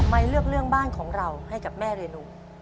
เลือกเรื่องบ้านของเราให้กับแม่เรนู